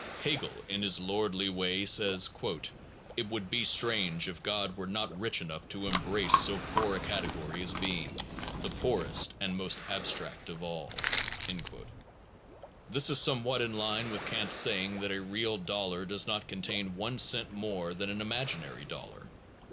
1 Hegel in his lordly way says: It would be strange if God were not rich enough to embrace so poor a category as Being, the poorest and most abstract of all. This is somewhat in line with Kant s saying that a real dollar does not contain one cent more than an imaginary dol lar.